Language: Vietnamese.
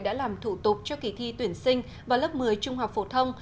đã làm thủ tục cho kỳ thi tuyển sinh vào lớp một mươi trung học phổ thông